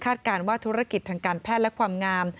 การว่าธุรกิจทางการแพทย์และความงาม